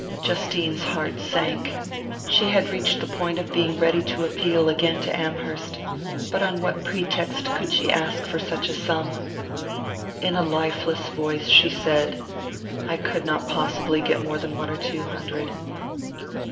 Justine's heart sank. She had reached the point of being ready to appeal again to Amherst but on what pretext could she ask for such a sum? In a lifeless voice she said: "I could not possibly get more than one or two hundred."